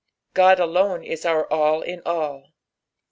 God alone is our all in all.